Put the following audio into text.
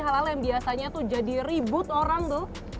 hal hal yang biasanya tuh jadi ribut orang tuh